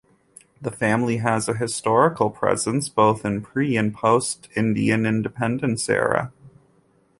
The family has a historical presence both in pre and post Indian independence era.